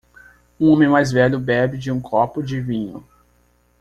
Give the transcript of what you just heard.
Um homem mais velho bebe de um copo de vinho.